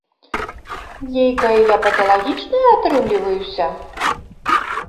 Нейкая я паталагічная атрымліваюся?